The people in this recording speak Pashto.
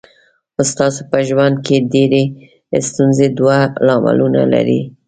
ستاسو په ژوند کې ډېرې ستونزې دوه لاملونه لري.